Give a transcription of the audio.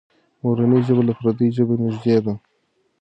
مورنۍ ژبه له پردۍ ژبې نږدې ده.